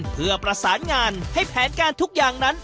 เพื่อประสานงานให้แผนการทุกอย่างนั้น